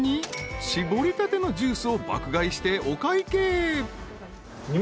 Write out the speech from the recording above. ［搾りたてのジュースを爆買いしてお会計］